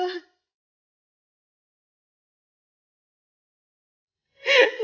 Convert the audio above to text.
mas aku doang